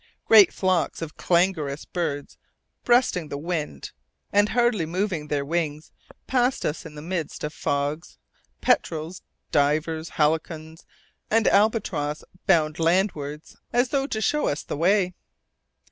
Great flocks of clangorous birds, breasting the wind and hardly moving their wings, passed us in the midst of the fogs, petrels, divers, halcyons, and albatross, bound landwards, as though to show us the way.